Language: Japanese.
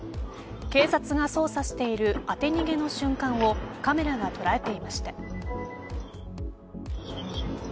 警察が捜査している当て逃げの瞬間をカメラが捉えていました。